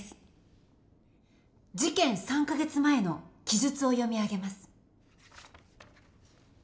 事件３か月前の記述を読み上げます。